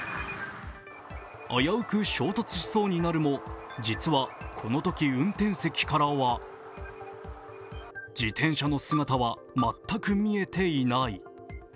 危うく衝突しそうになるも、実はこのとき運転席からは自転車の姿は全く見えていない。